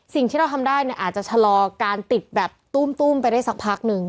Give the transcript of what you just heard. สิ่งที่เราทำได้เนี่ยอาจจะชะลอการติดแบบตุ้มไปได้สักพักนึง